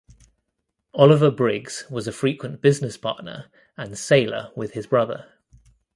Oliver Briggs was a frequent business partner and sailor with his brother.